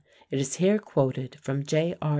It is here quoted from J.R.